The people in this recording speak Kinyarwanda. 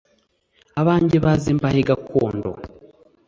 abanjye baze mbahe gakondo